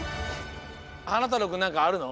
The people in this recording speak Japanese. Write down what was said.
はなたろうくんなんかあるの？